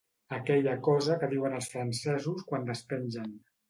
Aquella cosa que diuen els francesos quan despengen.